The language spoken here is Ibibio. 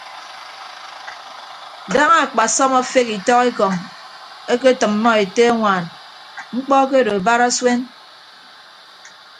Daña akpasọm afeghe itọk ekọñ eketʌmmọ ete añwaan mkpọ akedo barasuen.